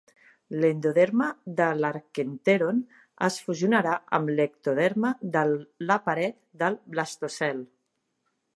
L'endoderma de l'arquènteron es fusionarà amb l'ectoderma de la pared del blastocel.